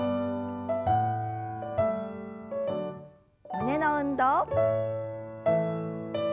胸の運動。